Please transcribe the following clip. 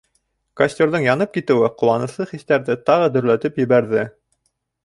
Костерҙың янып китеүе ҡыуаныслы хистәрҙе тағы дөрләтеп ебәрҙе.